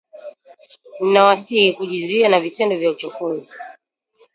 Ninawasihi kujizuia na vitendo vya uchokozi